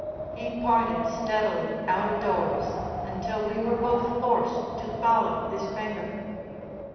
He pointed steadily out of doors until we were both forced to follow his finger.